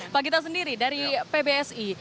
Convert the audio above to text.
pak gita sendiri dari pbsi